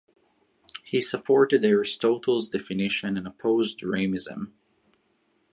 He supported Aristotle's definitions, and opposed Ramism.